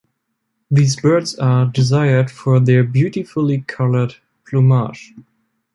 These birds are desired for their beautifully coloured plumage.